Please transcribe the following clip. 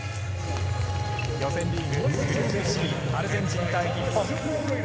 予選リーグ、アルゼンチン対日本。